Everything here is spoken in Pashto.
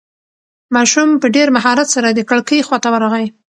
ماشوم په ډېر مهارت سره د کړکۍ خواته ورغی.